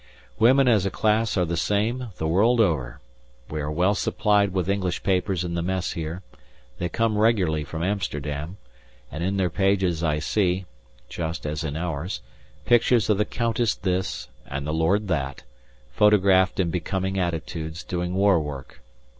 Women as a class are the same the world over. We are well supplied with English papers in the Mess here; they come regularly from Amsterdam, and in their pages I see, just as in ours, pictures of the Countess this and the Lord that, photographed in becoming attitudes doing war work.